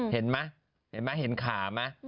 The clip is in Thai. เห็นไหมเห็นขาไหม